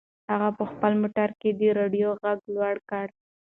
هغه په خپل موټر کې د رادیو غږ لوړ کړ.